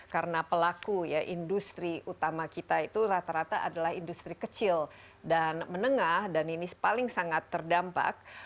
karena pelaku industri utama kita itu rata rata adalah industri kecil dan menengah dan ini paling sangat terdampak